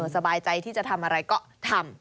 สบายใจที่จะทำอะไรก็ทำ